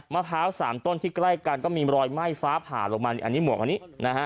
มะพร้าว๓ต้นที่ใกล้กันก็มีรอยไหม้ฟ้าผ่าลงมานี่อันนี้หมวกอันนี้นะฮะ